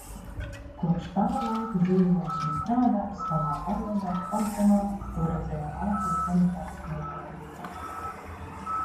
Kopš tā laika dzīvojis un strādājis savā arodā Potsdamā, toreizējā Vācijas Demokrātiskajā Republikā.